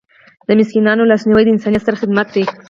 د مسکینانو لاسنیوی د انسانیت ستر خدمت دی.